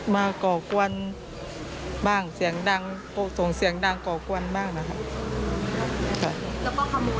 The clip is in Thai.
มาก่อกวนบ้างส่งเสียงดังก่อกวนบ้างนะครับ